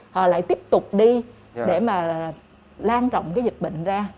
họ lại tiếp tục đi để mà lan trọng cái dịch bệnh ra